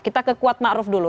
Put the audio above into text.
kita ke kuat ma'ruf dulu